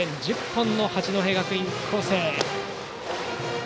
１０本の八戸学院光星。